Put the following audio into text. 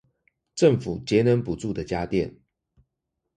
政府節能補助的家電